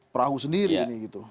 perahu sendiri ini gitu